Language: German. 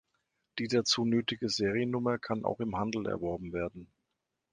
Die dazu nötige Seriennummer kann auch im Handel erworben werden.